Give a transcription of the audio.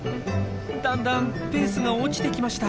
だんだんペースが落ちてきました。